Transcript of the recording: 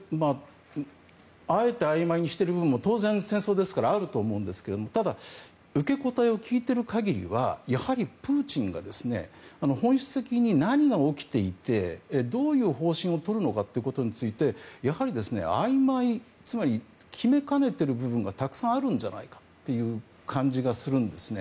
あえてあいまいにしている部分も当然、戦争ですからあると思うんですけどただ、受け答えを聞いている限りではやはりプーチンが本質的に何が起きていて、どういう方針をとるのかってことについてやはりあいまいつまり、決めかねている部分がたくさんあるんじゃないかという感じがするんですね。